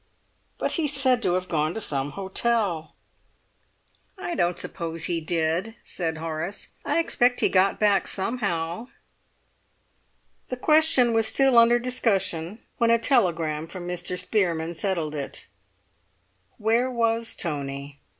"But he's said to have gone to some hotel." "I don't suppose he did," said Horace. "I expect he got back somehow." The question was still under discussion when a telegram from Mr. Spearman settled it. Where was Tony?